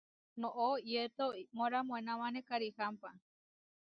Noʼó iyéto iʼmora moenamané karihámpa.